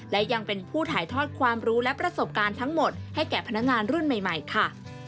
และยังเป็นผู้ถ่ายทอดความรู้และประสบการณ์ทั้งหมดให้แก่พนักงานรุ่นใหม่ค่ะ